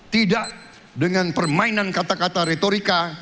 tidak dengan permainan kata kata retorika